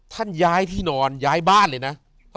ท่านย้ายที่นอนย้ายบ้านเลยนะ